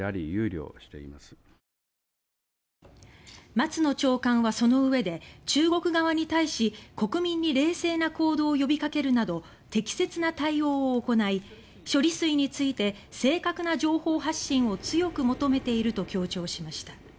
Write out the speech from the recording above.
松野長官はそのうえで「中国側に対し国民に冷静な行動を呼びかけるなど適切な対応を行い処理水について正確な情報発信を強く求めている」と強調しました。